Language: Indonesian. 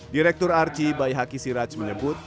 direktur arci bayi haki siraj menyebut